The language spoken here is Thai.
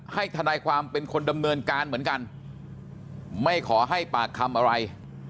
ทนายความเป็นคนดำเนินการเหมือนกันไม่ขอให้ปากคำอะไร